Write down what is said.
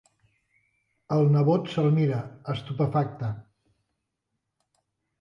El nebot se'l mira, estupefacte.